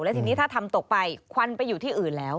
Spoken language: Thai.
ทีนี้ถ้าทำตกไปควันไปอยู่ที่อื่นแล้ว